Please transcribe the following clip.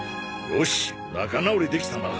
よし仲直りできたな。